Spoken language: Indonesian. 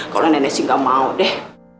kalau nenek sih gak mau deh